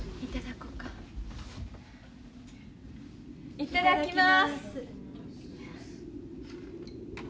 いただきます。